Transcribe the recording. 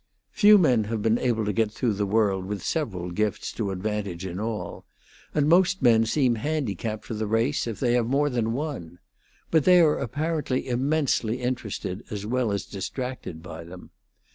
Few men have been able to get through the world with several gifts to advantage in all; and most men seem handicapped for the race if they have more than one. But they are apparently immensely interested as well as distracted by them.